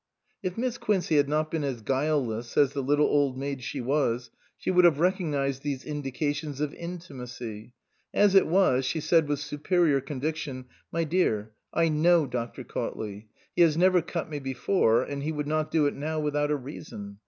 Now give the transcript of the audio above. If Miss Quincey had not been as guileless as the little old maid she was, she would have recognised these indications of intimacy ; as it was, she said with superior conviction, "My dear, I know Dr. Cautley. He has never cut me before, and he would not do it now without a reason.